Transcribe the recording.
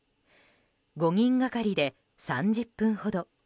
５人がかりで３０分ほど。